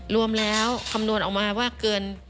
รวมแล้วคำนวณออกมาว่าเกิน